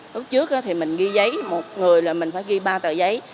lúc trước thì mình ghi giấy một người là mình phải ghi ba tờ giấy